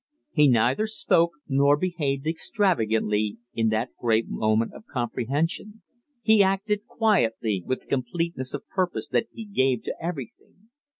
He neither spoke nor behaved extravagantly in that great moment of comprehension. He acted quietly, with the completeness of purpose that he gave to everything.